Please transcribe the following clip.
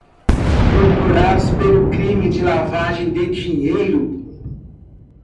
Procurados pelo crime de lavagem de dinheiro